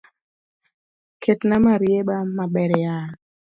Ketna marieba maber yawa